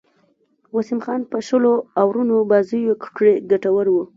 وسیم خان په شلو آورونو بازيو کښي ګټور وو.